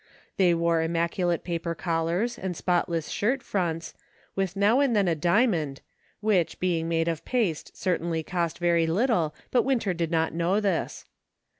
They wore immaculate paper collars and spotless shirt fronts, with now and then a diamond, which, being made of paste, certainly cost very little, but Winter did not know this.